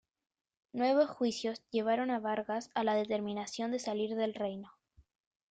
Nuevos juicios llevaron a Vargas a la determinación de salir del reino.